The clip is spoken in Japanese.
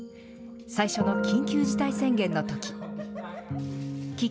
最初の緊急事態宣言のとき。